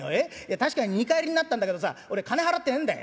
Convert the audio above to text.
確かに２荷入りになったんだけどさ俺金払ってねえんだよ」。